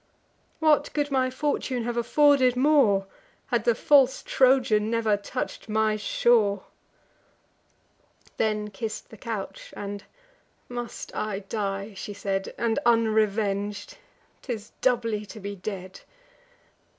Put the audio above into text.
What could my fortune have afforded more, Had the false Trojan never touch'd my shore!" Then kiss'd the couch; and, "Must I die," she said, "And unreveng'd? 'Tis doubly to be dead!